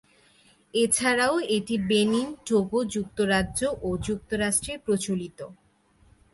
এছাড়াও এটি Benin, Togo, যুক্তরাজ্য, ও যুক্তরাষ্ট্রে প্রচলিত।